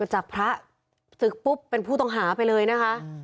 จากพระศึกปุ๊บเป็นผู้ต้องหาไปเลยนะคะ